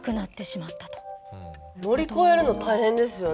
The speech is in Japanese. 乗り越えるの大変ですよね。